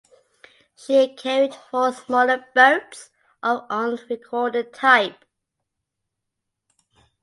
She carried four smaller boats of unrecorded type.